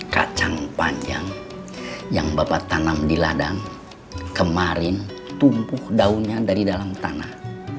kacang panjang yang bapak tanam di ladang kemarin tumpuh daunnya dari dalam tanah